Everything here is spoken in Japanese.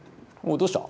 おうどうした？